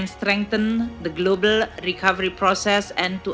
dan memperkuat proses pemulihan dunia